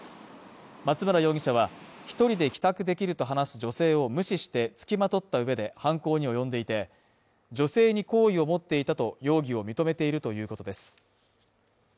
松村容疑者は１人で帰宅できると話す女性を無視してつきまとった上で犯行に及んでいて、女性に好意を持っていたと容疑を認めているということです。